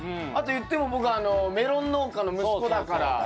あと言っても僕メロン農家の息子だから。